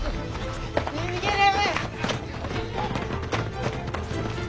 逃げれ！